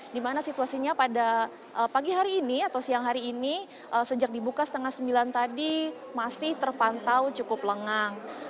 di mana situasinya pada pagi hari ini atau siang hari ini sejak dibuka setengah sembilan tadi masih terpantau cukup lengang